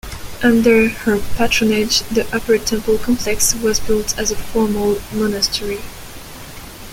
Under her patronage, the upper temple complex was built as a formal monastery.